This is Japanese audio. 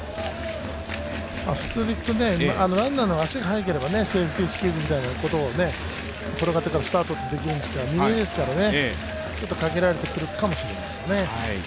普通にいくと、ランナーの足が速ければセーフティスクイズみたいなところ、転がってからスタートできるんですが、嶺井ですからね、ちょっと限られてくるかもしれないですね。